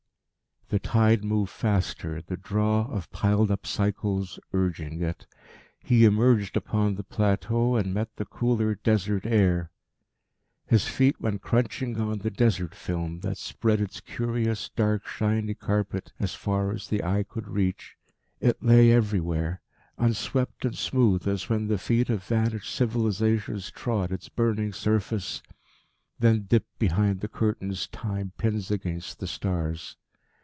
The tide moved faster, the draw of piled up cycles urging it. He emerged upon the plateau, and met the cooler Desert air. His feet went crunching on the "desert film" that spread its curious dark shiny carpet as far as the eye could reach; it lay everywhere, unswept and smooth as when the feet of vanished civilizations trod its burning surface, then dipped behind the curtains Time pins against the stars.